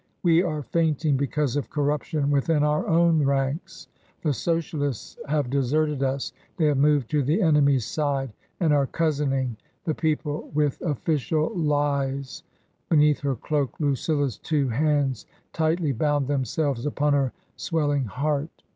We are fainting because of corruption within our own ranks. The Socialists have deserted us ; they have moved to the enemy's side and are cozening the people with offi cial lies " Beneath her cloak, Lucilla's two hands tightly bound themselves upon her swelling heart.